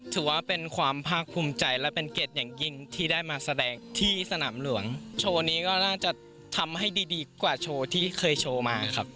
ถือว่าเป็นความภาคภูมิใจและเป็นเกียรติอย่างยิ่งที่ได้มาแสดงที่สนามหลวงโชว์นี้ก็น่าจะทำให้ดีดีกว่าโชว์ที่เคยโชว์มาครับ